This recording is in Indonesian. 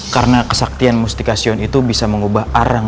karena kesaktian mustika sion itu bisa mengubah arang